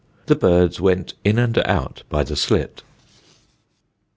The birds went in and out by the slit."